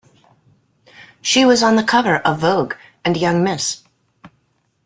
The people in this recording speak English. She was on the cover of "Vogue" and "Young Miss".